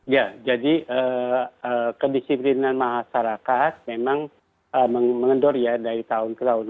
ya jadi kedisiplinan masyarakat memang mengendor ya dari tahun ke tahun